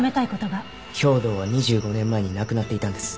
兵働は２５年前に亡くなっていたんです。